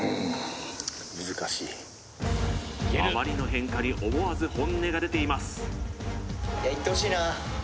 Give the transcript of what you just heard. あまりの変化に思わず本音が出ています